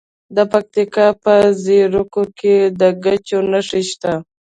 د پکتیکا په زیروک کې د ګچ نښې شته.